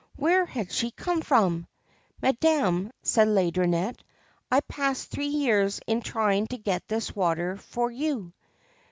Where had she come from ?' Madam,' said Laideronnette, ' I passed three years in trying to get this water for you.'